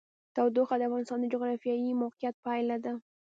تودوخه د افغانستان د جغرافیایي موقیعت پایله ده.